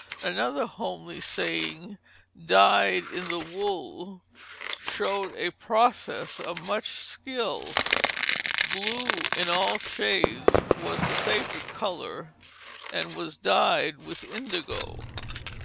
Another homely saying, "dyed in the wool," showed a process of much skill. Blue, in all shades, was the favorite color, and was dyed with indigo.